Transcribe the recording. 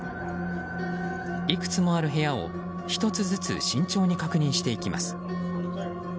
いくつもある部屋を１つずつ慎重に確認していきます。